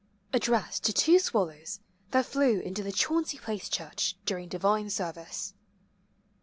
[Addressed to two swallows that flew into the Chauncy Place Church during divine service.